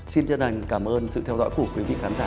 xin chân thành cảm ơn sự theo dõi của quý vị khán giả